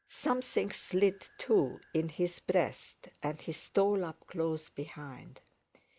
Something slid too in his breast, and he stole up close behind.